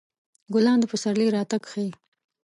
ګلان د پسرلي راتګ ښيي.